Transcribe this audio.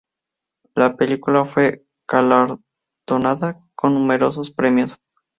La película fue galardonada con numerosos premios.